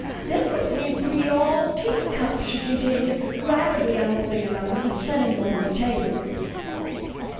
" This one seems to be all teacups," she continued, rapidly unrolling a number and setting them on the table.